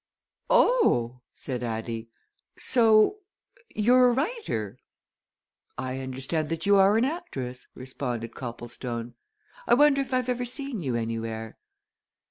"Oh!" said Addie. "So you're a writer?" "I understand that you are an actress?" responded Copplestone. "I wonder if I've ever seen you anywhere?"